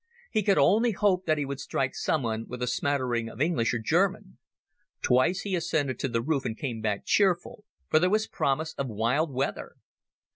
He could only hope that he would strike someone with a smattering of English or German. Twice he ascended to the roof and came back cheerful, for there was promise of wild weather.